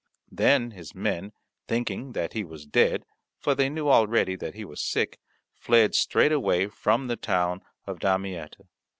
Then his men, thinking that he was dead, for they knew already that he was sick, fled straightway from the town of Damietta.